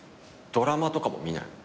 ドラマとかも見ない？